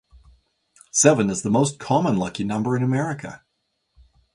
Seven is the most common lucky number in America.